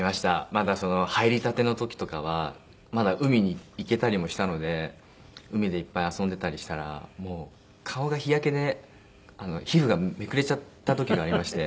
まだ入りたての時とかはまだ海に行けたりもしたので海でいっぱい遊んでたりしたら顔が日焼けで皮膚がめくれちゃった時がありまして。